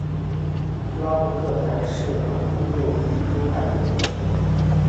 拉布克台吉是蒙古右翼兀慎部领主。